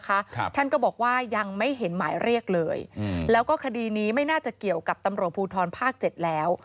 ครับท่านก็บอกว่ายังไม่เห็นหมายเรียกเลยอืมแล้วก็คดีนี้ไม่น่าจะเกี่ยวกับตำรวจภูทรภาคเจ็ดแล้ว